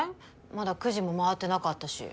まだ９時もまわってなかったし。